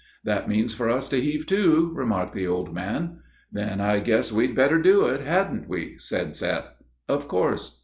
"That means for us to heave to," remarked the old man. "Then I guess we'd better do it hadn't we?" said Seth. "Of course."